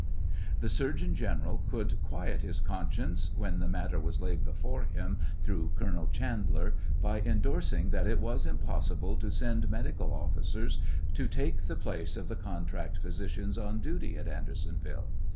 The surgeon general could quiet his conscience, when the matter was laid before him through Colonel Chandler, by indorsing that it was impossible to send medical officers to take the place of the contract physi cians on duty at Andersonville.